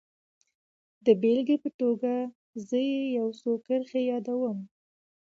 د بېلګې په توګه زه يې يو څو کرښې يادوم.